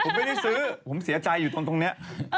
ผมไม่ได้ซื้อผมเสียใจอยู่ตรงนี้